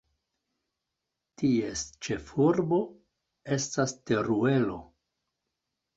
Ties ĉefurbo estas Teruelo.